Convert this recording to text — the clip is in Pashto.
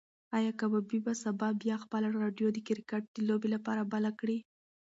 ایا کبابي به سبا بیا خپله راډیو د کرکټ د لوبې لپاره بله کړي؟